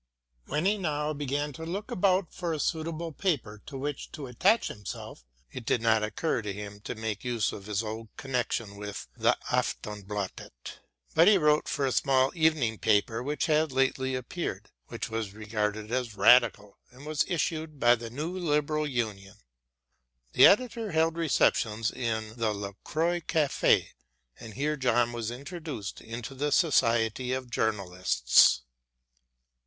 When he now began to look about for a suitable paper to which to attach himself, it did not occur to him to make use of his old connection with the Aftonbladet, but he wrote for a small evening paper which had lately appeared, which was regarded as radical and was issued by the New Liberal Union. The editor held receptions in the La Croix Café, and here John was introduced into the society of journalists.